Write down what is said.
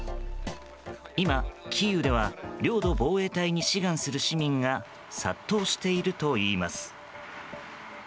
今、キーウでは領土防衛隊に志願する市民が殺到しているといいます。